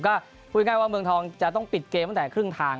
ก็พูดง่ายว่าเมืองทองจะต้องปิดเกมตั้งแต่ครึ่งทาง